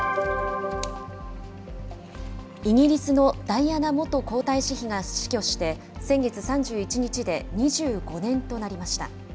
イギリスのダイアナ元皇太子妃が死去して先月３１日で２５年となりました。